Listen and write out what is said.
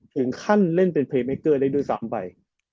ถึงขั้นเล่นเป็นไฟม์เคเกิล์ย์ได้ด้วยซ้ำไป